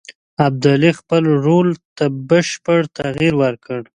ابدالي خپل رول ته بشپړ تغییر ورکړ.